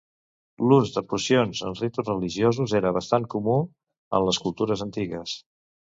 L'ús de pocions en ritus religiosos era bastant comú en les cultures antigues.